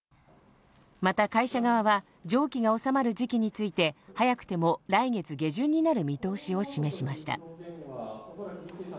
また会社側は、蒸気が収まる時期について、早くても来月下旬になる見通しを示しました。